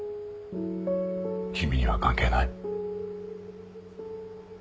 君には関係ない。